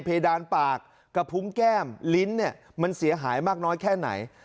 ดานปากกระพุงแก้มลิ้นเนี่ยมันเสียหายมากน้อยแค่ไหน